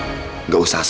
bapak juga akan